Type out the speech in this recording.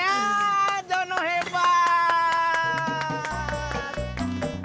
tirar down oh keranjang